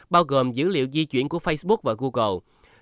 bao gồm dữ liệu di chuyển của facebook và google